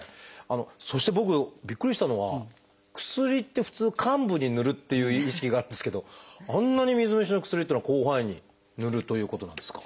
そして僕びっくりしたのは薬って普通患部にぬるっていう意識があるんですけどあんなに水虫の薬っていうのは広範囲にぬるということなんですか？